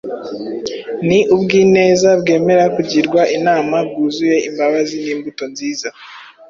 ni ubw’ineza, bwemera kugirwa inama, bwuzuye imbabazi n’imbuto nziza,